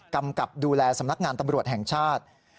กำกับดูแลสำนักงานตำรวจแห่งชาติ